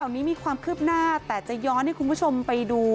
นี้มีความคืบหน้าแต่จะย้อนให้คุณผู้ชมไปดู